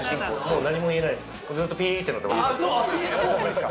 もう何も言えないです